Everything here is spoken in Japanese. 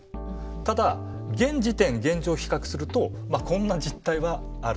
ただ現時点現状比較するとこんな実態はある。